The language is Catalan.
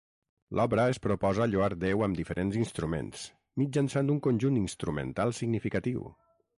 L'obra es proposa lloar Déu amb diferents instruments, mitjançant un conjunt instrumental significatiu.